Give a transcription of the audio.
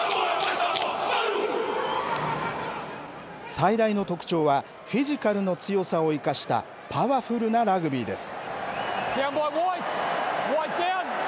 最大の特徴はフィジカルの強さを生かしたパワフルなラグビーです。